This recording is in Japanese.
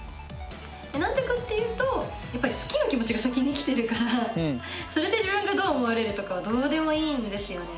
なんでかっていうとやっぱり好きの気持ちが先に来てるからそれで自分がどう思われるとかはどうでもいいんですよね。